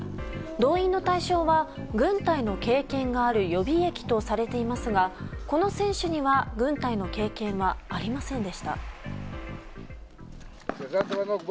動員の対象は軍隊の経験がある予備役とされていますがこの選手には軍隊の経験はありませんでした。